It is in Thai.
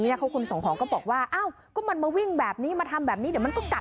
มันนะคะเขาคุณส่งห่องก็บอกว่าอ้าวก็มันมาวิ่งแบบนี้มาทำแบบนี้เดี๋ยวมันก็กัดเอาสิ